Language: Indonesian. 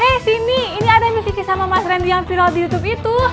hei sini ini ada miski kisah sama mas randy yang viral di youtube itu